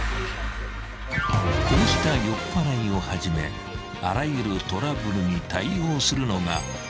［こうした酔っぱらいをはじめあらゆるトラブルに対応するのが］